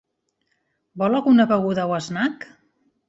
Vol alguna beguda o snack?